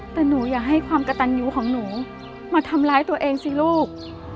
แต่หนูอยากให้ความกระตันอยู่ของหนูมาทำร้ายตัวเองสิลูก